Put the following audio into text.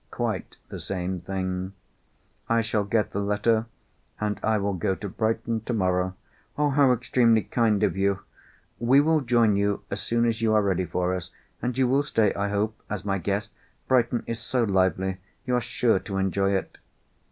"Quite the same thing. I shall get the letter, and I will go to Brighton tomorrow." "How extremely kind of you! We will join you as soon as you are ready for us. And you will stay, I hope, as my guest. Brighton is so lively; you are sure to enjoy it."